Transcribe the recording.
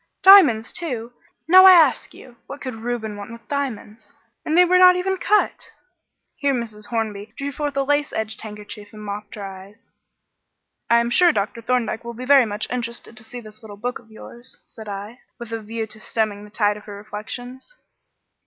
Diamonds, too! Now, I ask you, what could Reuben want with diamonds? and they were not even cut." Here Mrs. Hornby drew forth a lace edged handkerchief and mopped her eyes. "I am sure Dr. Thorndyke will be very much interested to see this little book of yours," said I, with a view to stemming the tide of her reflections.